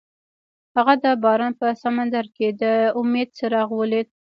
هغه د باران په سمندر کې د امید څراغ ولید.